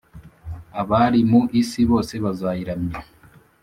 Abari mu isi bose bazayiramya,